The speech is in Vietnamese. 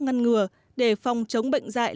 ngăn ngừa để phòng chống bệnh dại